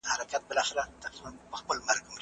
ذهن اوس د پديدو په اړه فکر کوي.